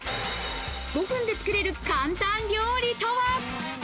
５分で作れる簡単料理とは？